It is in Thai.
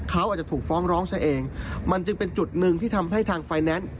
เขาอาจจะถูกฟ้องร้องซะเองมันจึงเป็นจุดหนึ่งที่ทำให้ทางไฟแนนซ์